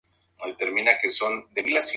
Estos pueden ser de color púrpura, rojo o verde.